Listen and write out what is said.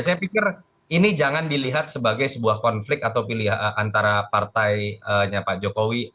saya pikir ini jangan dilihat sebagai sebuah konflik atau pilihan antara partainya pak jokowi